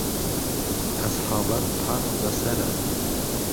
ئهسحابه پەڕ به سەره